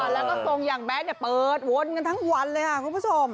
แล้วก็ทรงอย่างแบทเปิดวนกันทั้งวันเลยค่ะคุณผู้ชม